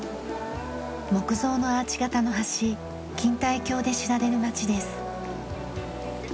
木造のアーチ形の橋錦帯橋で知られる街です。